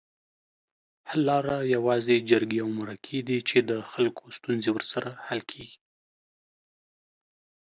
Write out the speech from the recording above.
حل لاره یوازې جرګې اومرکي دي چي دخلګوستونزې ورسره حل کیږي